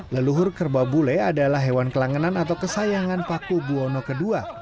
leluhur kerbau bule adalah hewan kelangenan atau kesayangan paku buwono ii